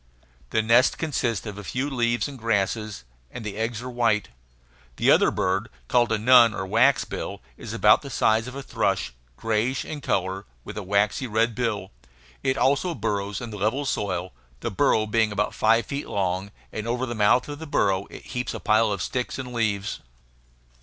The nest consists of a few leaves and grasses, and the eggs are white. The other bird, called a nun or waxbill, is about the size of a thrush, grayish in color, with a waxy red bill. It also burrows in the level soil, the burrow being five feet long; and over the mouth of the burrow it heaps a pile of sticks and leaves.